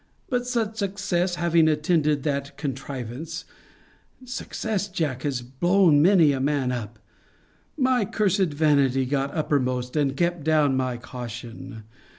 But such success having attended that contrivance [success, Jack, has blown many a man up!] my cursed vanity got uppermost, and kept down my caution.